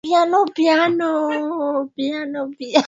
Alizitaja Sekta nyingine kuwa ni ukulima wa mwani